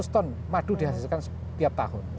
seratus ton madu dihasilkan setiap tahun